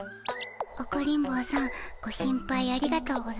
オコリン坊さんご心配ありがとうございます。